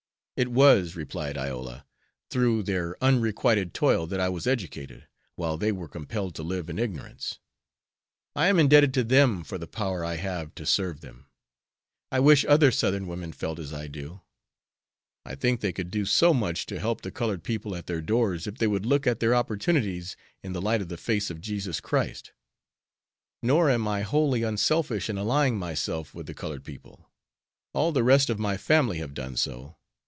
"It was," replied Iola, "through their unrequited toil that I was educated, while they were compelled to live in ignorance. I am indebted to them for the power I have to serve them. I wish other Southern women felt as I do. I think they could do so much to help the colored people at their doors if they would look at their opportunities in the light of the face of Jesus Christ. Nor am I wholly unselfish in allying myself with the colored people. All the rest of my family have done so.